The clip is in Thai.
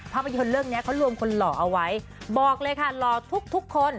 ภาพยนตร์เรื่องนี้เขารวมคนหล่อเอาไว้บอกเลยค่ะหล่อทุกคน